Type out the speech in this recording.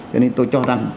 cho nên tôi cho rằng